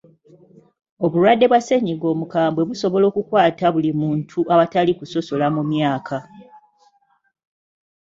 Obulwadde bwa ssennyiga omukambwe busobola okukwata buli muntu awatali kusosola mu myaka.